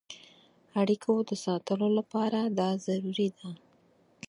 اړیکو د ساتلو لپاره دا ضروري ده.